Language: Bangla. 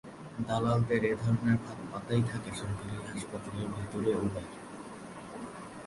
দালালদের এ ধরনের ফাঁদ পাতাই থাকে সরকারি হাসপাতালের ভেতর ও বাইরে।